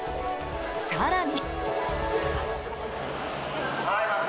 更に。